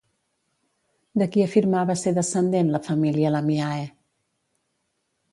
De qui afirmava ser descendent, la família Lamiae?